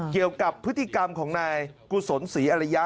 เกี่ยวกับพฤติกรรมของนายกุศลศรีอริยะ